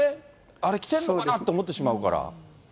あれ、来てるのかな？と思ってしまうから。